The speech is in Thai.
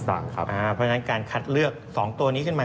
เพราะฉะนั้นการคัดเลือก๒ตัวนี้ขึ้นมา